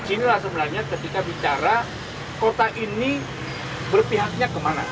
inilah sebenarnya ketika bicara kota ini berpihaknya kemana